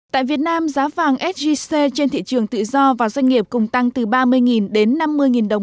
tại việt nam giá vàng sgc trên thị trường tự do và doanh nghiệp cùng tăng từ ba mươi đến năm mươi đồng